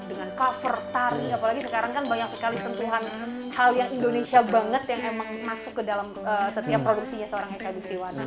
dengan cover tari apalagi sekarang kan banyak sekali sentuhan hal yang indonesia banget yang emang masuk ke dalam setiap produksinya seorang eka gustiwana